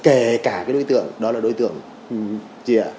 kể cả cái đối tượng đó là đối tượng gì ạ